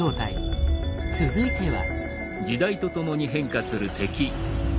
続いては。